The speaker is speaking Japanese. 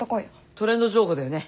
トレンド情報だよね。